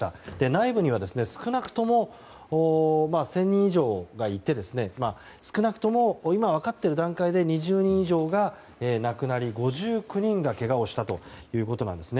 内部には少なくとも１０００人以上がいて少なくとも今、分かっている段階で２０人以上が亡くなり、５９人がけがをしたということです。